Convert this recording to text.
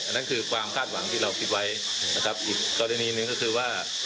อันนั้นคือความคาดหวังที่เราคิดไว้อีกกรณีนึงก็คือว่า